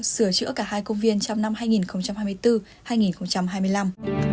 sửa chữa cả hai công viên trong năm hai nghìn hai mươi bốn hai nghìn hai mươi năm